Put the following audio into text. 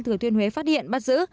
thừa thuyên huế phát hiện bắt giữ